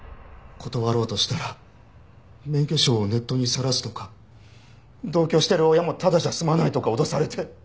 断ろうとしたら免許証をネットにさらすとか同居してる親もただじゃ済まないとか脅されて。